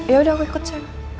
yaudah aku ikut sayang